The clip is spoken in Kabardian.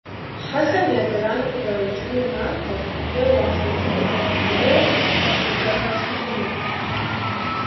Хьэхэм я зэран къызэрокӀынур нахуэт - е уафыщӏынут, е узэхашхыхьынут.